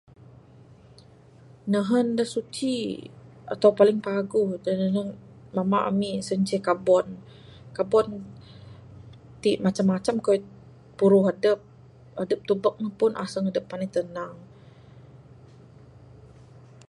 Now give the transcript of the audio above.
Nehen de suci, atau paling paguh de, nehen lema emik sien ce, kebun kebun tik macam-macam keyuh de puruh edep, edep tubek ne pun, aseng dep pandai tenang.